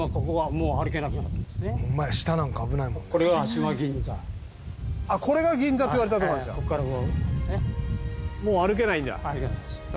もう歩けないんだ。